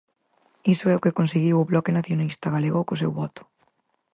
Iso é o que conseguiu o Bloque Nacionalista Galego co seu voto.